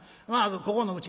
ここのうち。